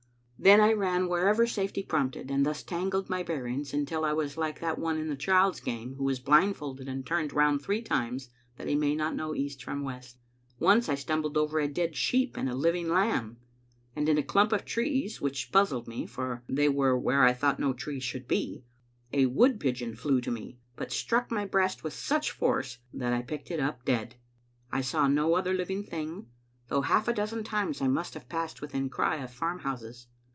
Then I ran wherever safety prompted, and thus tangled my bearings until I was like that one in the child's game who is blindfolded and turned round three times that he may not know east from west. Once I stumbled over a dead sheep and a living lamb ; and in a clump of trees which puzzled me — for they were where I thought no trees should be — a wood pigeon flew to me, but struck my breast with such force that I picked it up dead. I saw no other living thing, though half a dozen times I must have passed within cry of farmhouses.